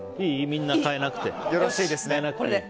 みんな、変えなくて。